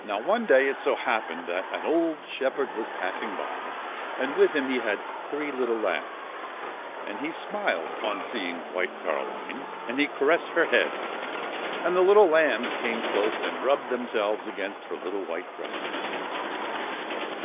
Now one day it so happened that an old shepherd was passing by, and with him he had three little lambs ; and he smiled on seeing White Caroline, and he caressed her head, and the little lambs came close and rubbed themselves against her little white dress.